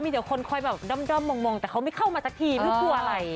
มีคนว่าด็อบแต่ไม่เข้ามาซักทีเพื่อกลัวอะไร